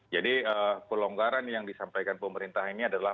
jadi pelonggaran yang disampaikan pemerintah ini adalah